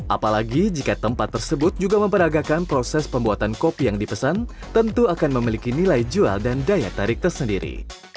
apalagi jika tempat tersebut juga memperagakan proses pembuatan kopi yang dipesan tentu akan memiliki nilai jual dan daya tarik tersendiri